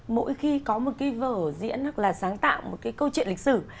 mỗi khi có một cái vở diễn hoặc là sáng tạo một cái câu chuyện lịch sử